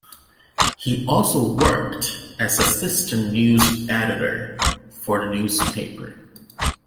He also worked as assistant news editor for the newspaper.